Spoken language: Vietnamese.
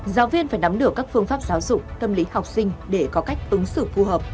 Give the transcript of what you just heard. giáo viên phải nắm được các phương pháp giáo dục tâm lý học sinh để có cách ứng xử phù hợp